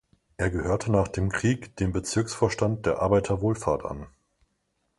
Er gehörte nach dem Krieg dem Bezirksvorstand der Arbeiterwohlfahrt an.